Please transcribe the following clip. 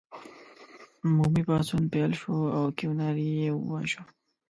عمومي پاڅون پیل شو او کیوناري یې وواژه.